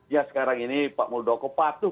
ya sekarang ini pak muldoko patuh